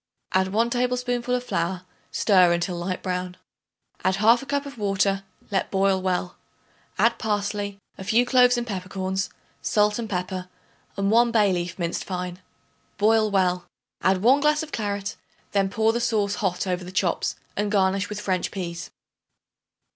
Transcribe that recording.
Add 1 tablespoonful of flour; stir until light brown. Add 1/2 cup of water; let boil well; add parsley, a few cloves and peppercorns, salt and pepper and 1 bay leaf minced fine. Boil well. Add 1 glass of claret; then pour the sauce hot over the chops, and garnish with French peas.